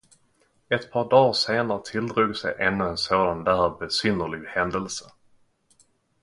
Ett par dar senare tilldrog sig ännu en sådan där besynnerlig händelse.